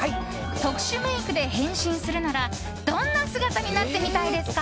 特殊メイクで変身するならどんな姿になってみたいですか？